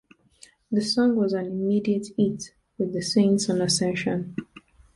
The song was an immediate hit with the Saints on Ascension.